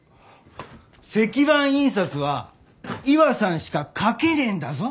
石版印刷はイワさんしか描けねえんだぞ？